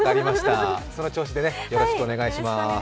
その調子でね、よろしくお願いします。